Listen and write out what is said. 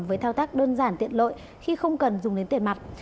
với thao tác đơn giản tiện lợi khi không cần dùng đến tiền mặt